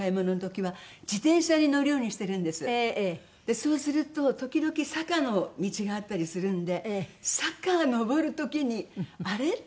そうすると時々坂の道があったりするんで坂上る時にあれ？